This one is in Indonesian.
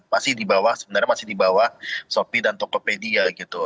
masih di bawah sebenarnya masih di bawah shopee dan tokopedia gitu